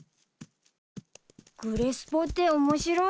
グレスポって面白いね。